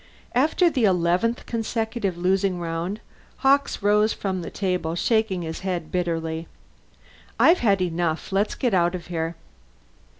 After the eleventh consecutive losing round, Hawkes rose from the table, shaking his head bitterly. "I've had enough. Let's get out of here."